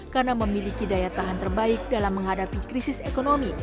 karena memiliki daya tahan terbaik dalam menghadapi krisis ekonomi